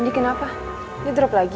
andi kenapa dia drop lagi